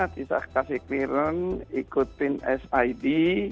disahkasi clearance ikutin sid